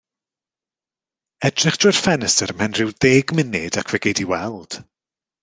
Edrych drwy'r ffenestr ymhen rhyw ddeg munud ac fe gei di weld.